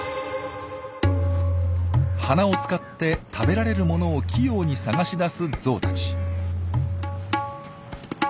鼻を使って食べられる物を器用に探し出すゾウたち。